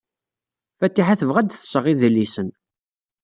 Fatiḥa tebɣa ad d-tseɣ idlisen.